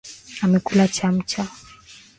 Amekula chamcha